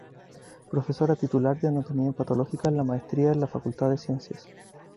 Profesora titular de anatomía patológica en la Maestría en la Facultad de Ciencias.